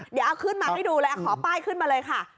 เดี๋ยวเอาขึ้นมาให้ดูเลยขอป้ายขึ้นมาเลยค่ะ